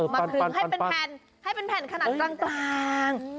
มาคลึงให้เป็นแผ่นขนาดต่าง